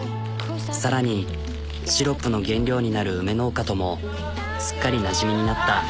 さらにシロップの原料になる梅農家ともすっかりなじみになった。